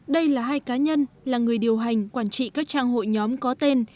đây là hai cá nhân là người điều hành quản trị các trang hội nhóm có tên